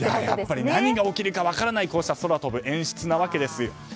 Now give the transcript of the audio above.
やっぱり何が起きるか分からない空飛ぶ演出なわけです。